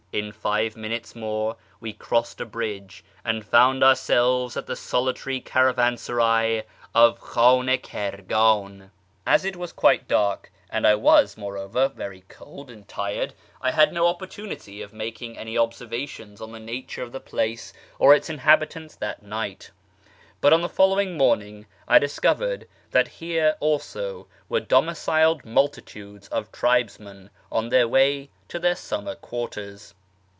In five minutes more we crossed a bridge and found ourselves at the solitary caravansaray of Khan i Kirgan. As it was quite dark, and I was, moreover, very cold and tired, I had no opportunity of making any observations on the nature of the place or its inhabitants that night, but on the following morning I discovered that here also were domiciled multitudes of tribesmen on their way to their summer quarters.